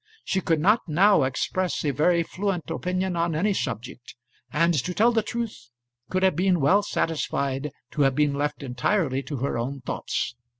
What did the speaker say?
She could not now express a very fluent opinion on any subject, and to tell the truth, could have been well satisfied to have been left entirely to her own thoughts.